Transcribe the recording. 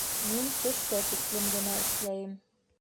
Мин төшкә тиклем генә эшләйем